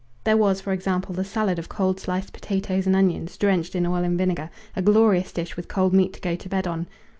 There was, for example, the salad of cold sliced potatoes and onions, drenched in oil and vinegar, a glorious dish with cold meat to go to bed on!